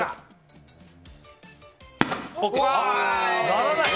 鳴らない。